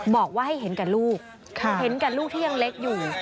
บอกว่าให้เห็นกับลูกเห็นกับลูกที่ยังเล็กอยู่